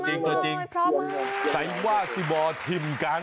นี่ตัวจริงใส่ว่าสิบอทิมกัน